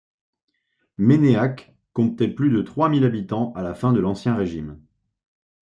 Ménéac comptait plus de trois mille habitants à la fin de l'Ancien Régime.